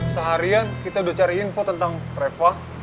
seharian kita udah cari info tentang reva